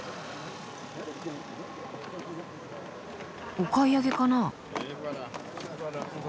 お買い上げかな？